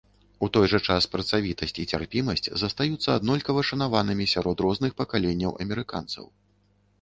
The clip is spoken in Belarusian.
У той жа час працавітасць і цярпімасць застаюцца аднолькава шанаванымі сярод розных пакаленняў амерыканцаў.